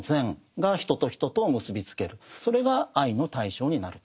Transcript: それが愛の対象になると。